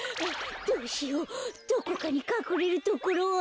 どうしようどこかにかくれるところは。